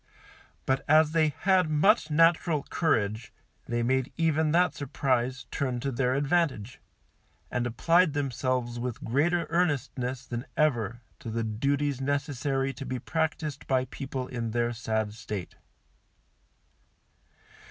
But as they had much natural courage they made even that surprise turn to their advantage, and applied themselves with greater earnestness than ever to the duties necessary to be practised by people in their sad state.